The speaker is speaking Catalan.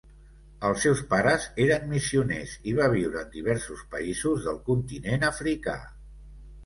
Els seus pares eren missioners, i va viure en diversos països del continent africà.